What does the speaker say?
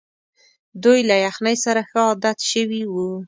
دوی له یخنۍ سره ښه عادت شوي وو.